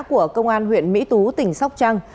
của công an huyện mỹ tú tỉnh sóc trăng